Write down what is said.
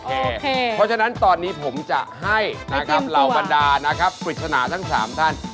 เพราะฉะนั้นตอนนี้ผมจะให้นะครับเหล่าบรรดานะครับปริศนาทั้ง๓ท่าน